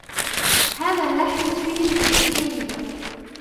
هذا اللحم مشوي جيدا.